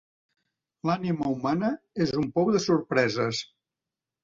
L'ànima humana és un pou de sorpreses.